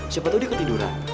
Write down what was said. siapa tau dia ketiduran